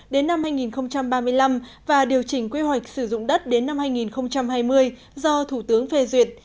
đến năm hai nghìn ba mươi năm và điều chỉnh quy hoạch sử dụng đất đến năm hai nghìn hai mươi do thủ tướng phê duyệt